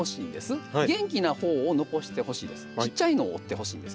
元気な方を残してほしいです。